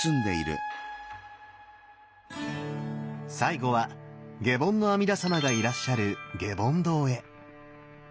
最後は下品の阿弥陀様がいらっしゃる下品堂へ。